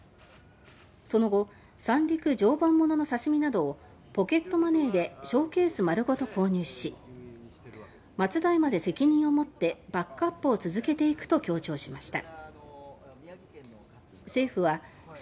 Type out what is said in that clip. その後「三陸・常磐もの」の刺身などをポケットマネーでショーケース丸ごと購入し「末代まで責任をもってバックアップを続けていく」と強調しました。